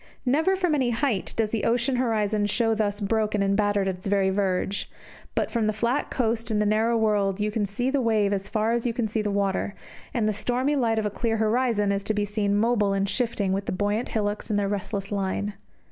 Never from any height does the ocean horizon show thus broken and battered at its very verge, but from the flat coast and the narrow world you can see the wave as far as you can see the water; and the stormy light of a clear horizon is seen to be mobile and shifting with the buoyant hillocks and their restless line.